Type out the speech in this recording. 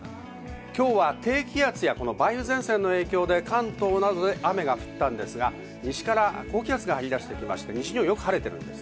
今日は低気圧や梅雨前線の影響で関東で雨が降ったんですが、西から高気圧が晴れ出して、よく晴れているんです。